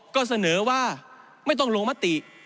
ก็เสนอว่าไม่ต้องลงมติ